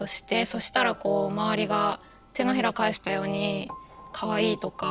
そしたらこう周りが手のひらを返したようにかわいいとか。